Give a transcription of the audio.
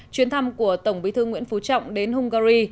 chuyến thăm của tổng bí thư nguyễn phú trọng đến hungary